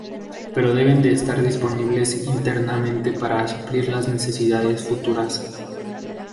Pero deben de estar disponibles internamente para suplir las necesidades futuras.